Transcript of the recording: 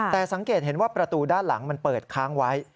แต่สังเกตเห็นว่าประตูด้านหลังมันเปิดค้างไว้